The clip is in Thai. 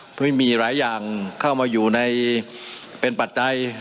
เพื่อให้มีหลายอย่างเข้ามาอยู่ในเป็นปัจจัย